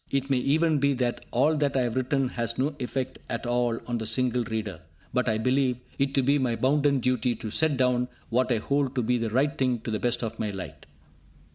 It may even be that all that I have written has no effect at all on a single reader, but I believe it to be my bounden duty to set down what I hold to be the right thing to the best of my light.